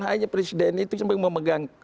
hanya presiden itu sampai memegang